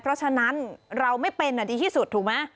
เพราะฉะนั้นเราไม่เป็นดีที่สุดถูกไหม